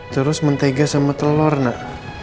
terus mentega sama telur nak